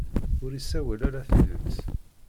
Ur isawal ara tidet.